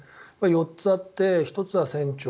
４つあって１つは船長